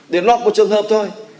để lót một trường hợp thôi